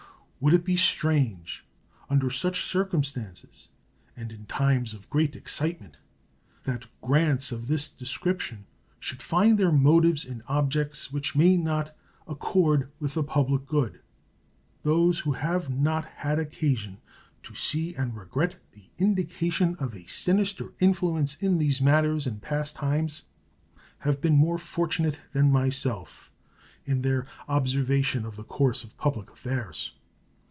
Would it be strange, under such circumstances, and in times of great excitement, that grants of this description should find their motives in objects which may not accord with the public good? Those who have not had occasion to see and regret the indication of a sinister influence in these matters in past times have been more fortunate than myself in their observation of the course of public affairs.